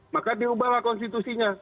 maka diubahlah konstitusinya